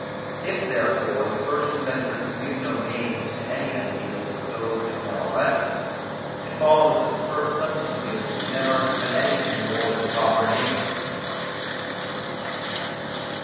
If therefore the first inventors could give no names to any ideas but those they had already, it follows that the first substantives could never have been anything more than proper names.